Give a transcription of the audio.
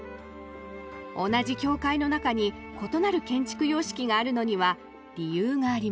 同じ教会の中に異なる建築様式があるのには理由があります。